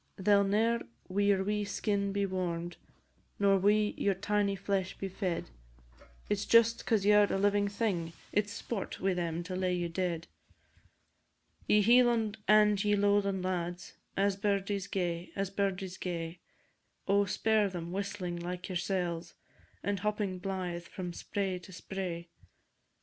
They 'll ne'er wi' your wee skin be warm'd, Nor wi' your tiny flesh be fed, But just 'cause you 're a living thing, It 's sport wi' them to lay you dead. Ye Hieland and ye Lowland lads, As birdies gay, as birdies gay, Oh, spare them, whistling like yoursel's, And hopping blythe from spray to spray!